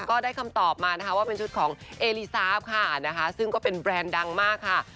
ก็ได้คำตอบมานะคะว่าเป็นชุดของเอลิซาฟค่ะนะคะซึ่งก็เป็นแบรนด์ดังมากค่ะ